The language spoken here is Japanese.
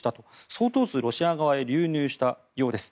相当数、ロシア側へ流入したようです。